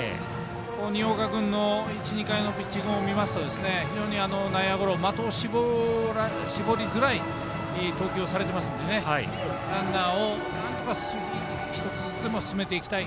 新岡君の１、２回のピッチングを見ますと内野ゴロ、的を絞りづらい投球をされていますのでランナーをなんとか１つずつでも進めていきたい。